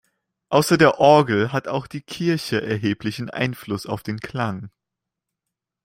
Außer der Orgel hat auch die Kirche erheblichen Einfluss auf den Klang.